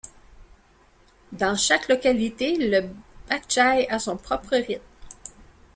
Dans chaque localité, le baitchai a son propre rythme.